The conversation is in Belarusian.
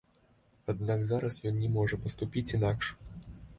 Аднак зараз ён не можа паступіць інакш.